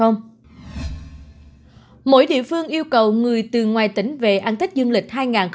mỗi địa phương yêu cầu người từ ngoài tỉnh về an tết dương lịch hai nghìn hai mươi hai